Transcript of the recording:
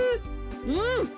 うん。